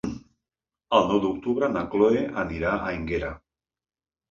El nou d'octubre na Chloé anirà a Énguera.